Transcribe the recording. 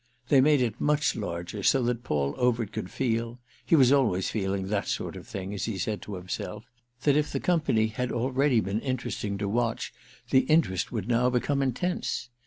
They made it much larger, so that Paul Overt could feel—he was always feeling that sort of thing, as he said to himself—that if the company had already been interesting to watch the interest would now become intense.